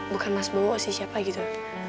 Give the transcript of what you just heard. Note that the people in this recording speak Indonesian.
bukan mas bowo sih siapa gitu